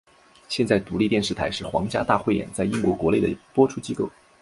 现在独立电视台是皇家大汇演在英国国内的播出机构。